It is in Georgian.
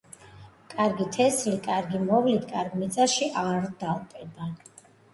კარგი თესლი კარგი მოვლით კარგ მიწაში არ დალპება